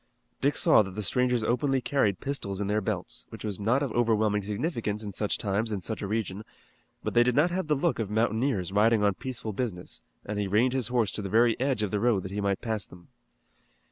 Dick saw that the strangers openly carried pistols in their belts, which was not of overwhelming significance in such times in such a region, but they did not have the look of mountaineers riding on peaceful business, and he reined his horse to the very edge of the road that he might pass them.